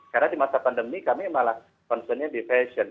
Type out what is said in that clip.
karena di masa pandemi kami malah konsumennya di fashion